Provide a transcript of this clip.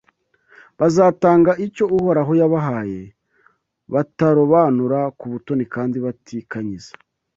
Bazatanga icyo Uhoraho yabahaye batarobanura ku butoni kandi batikanyiza.